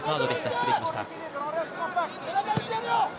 失礼しました。